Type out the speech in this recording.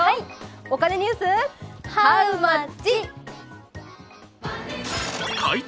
お金ニュース、ハウマッチ。